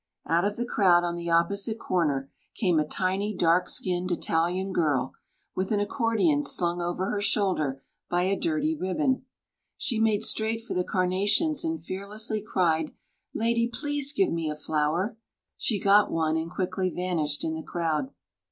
Out of the crowd on the opposite corner came a tiny, dark skinned Italian girl, with an accordion slung over her shoulder by a dirty ribbon; she made straight for the carnations and fearlessly cried, "Lady, please give me a flower!" She got one, and quickly vanished in the crowd.